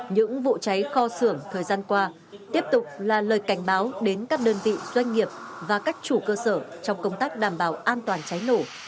những vụ cháy kho xưởng thời gian qua tiếp tục là lời cảnh báo đến các đơn vị doanh nghiệp và các chủ cơ sở trong công tác đảm bảo an toàn cháy nổ